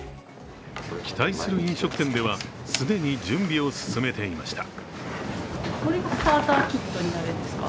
期待する飲食店では既に準備を進めていました。